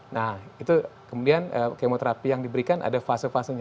nah itu kemudian kemoterapi yang diberikan ada fase fasenya